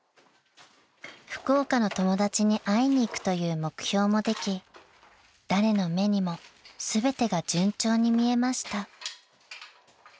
［福岡の友達に会いに行くという目標もでき誰の目にも全てが順調に見えました］